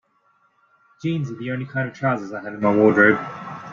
Jeans are the only kind of trousers I have in my wardrobe.